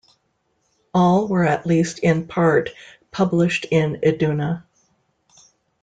All were at least in part published in "Iduna".